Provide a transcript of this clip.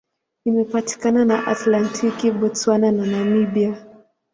Imepakana na Atlantiki, Botswana na Namibia.